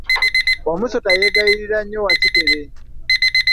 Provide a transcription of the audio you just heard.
Wamusota yegayirira nnyo Wakikere.